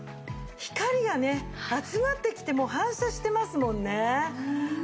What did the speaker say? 光がね集まってきてもう反射してますもんね。